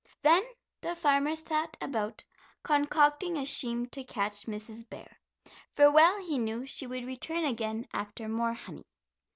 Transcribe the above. Then the farmer sat about concocting a scheme to catch Mrs. Bear, for well he knew she would return again after more honey.